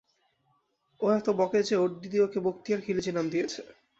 ও এত বকে যে, ওর দিদি ওকে বক্তিয়ার খিলিজি নাম দিয়েছে।